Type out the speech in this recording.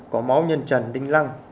có máu nhân trần đinh lăng